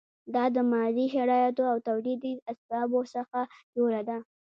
دا د مادي شرایطو او تولیدي اسبابو څخه جوړه ده.